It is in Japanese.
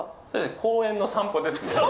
公園の散歩ですね。